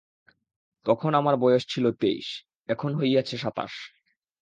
তখন আমার বয়স ছিল তেইশ, এখন হইয়াছে সাতাশ।